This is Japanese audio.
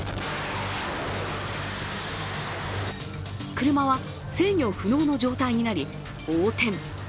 車は制御不能の状態になり、横転。